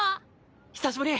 久しぶり。